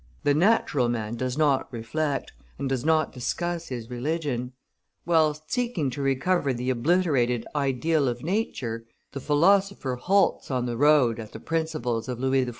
The natural man does not reflect, and does not discuss his religion; whilst seeking to recover the obliterated ideal of nature, the philosopher halts on the road at the principles of Louis XIV.